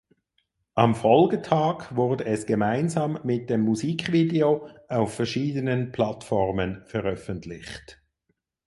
Am Folgetag wurde es gemeinsam mit dem Musikvideo auf verschiedenen Plattformen veröffentlicht.